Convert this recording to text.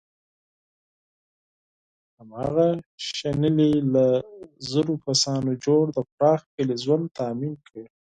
هماغه شنیلي له زرو کسانو جوړ د پراخ کلي ژوند تأمین کړ.